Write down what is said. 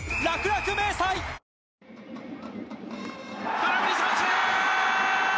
空振り三振！